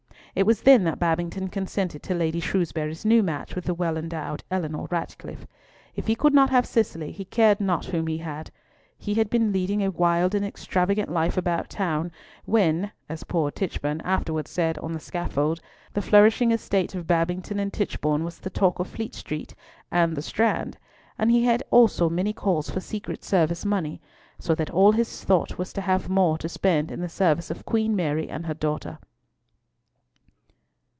It was then that Babington consented to Lady Shrewsbury's new match with the well endowed Eleanor Ratcliffe. If he could not have Cicely, he cared not whom he had. He had been leading a wild and extravagant life about town, when (as poor Tichborne afterwards said on the scaffold) the flourishing estate of Babington and Tichborne was the talk of Fleet Street and the Strand, and he had also many calls for secret service money, so that all his thought was to have more to spend in the service of Queen Mary and her daughter.